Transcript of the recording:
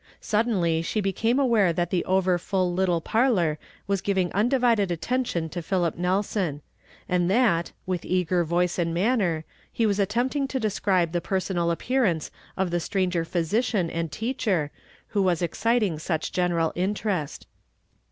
Suddenly she became aware that the over full little parlor was giving undivided attention to Philip Nelson ; and that, with eager voice and manner, he was attempting to describe the personal appearance of the stranger })hysician and teacher who was exciting such general interest.